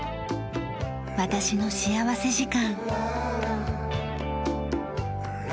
『私の幸福時間』。